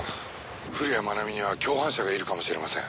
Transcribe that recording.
「古谷愛美には共犯者がいるかもしれません」